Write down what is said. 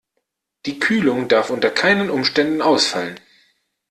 Die Kühlung darf unter keinen Umständen ausfallen.